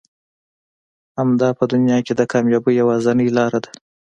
همدا په دنيا کې د کاميابي يوازنۍ لاره ده.